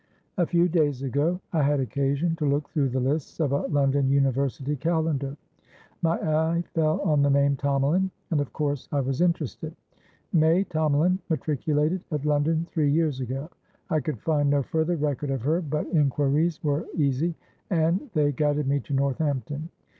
"A few days ago I had occasion to look through the lists of a London University Calendar. My eye fell on the name Tomalin, and of course I was interested. May Tomalin matriculated at London three years ago. I could find no further record of her, but inquiries were easy, and they guided me to Northampton.